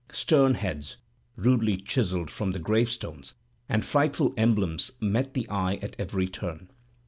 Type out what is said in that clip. Stern heads, rudely chiselled, from the grave stones, and frightful emblems met the eye at every turn.